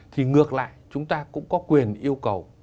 thì ngược lại chúng ta cũng có quyền yêu cầu